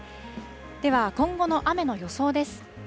では、今後の雨の予想です。